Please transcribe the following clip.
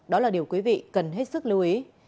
đó là điều quý vị cần hết sức lưu ý